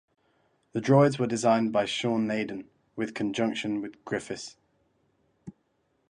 The droids were designed by Sean Naden with conjunction with Griffiths.